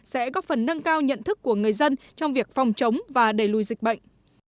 sẽ góp phần nâng cao nhận thức của người dân trong việc phòng chống và đẩy lùi dịch bệnh